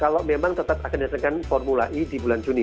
kalau memang tetap akan dihadapkan formula e di bulan juni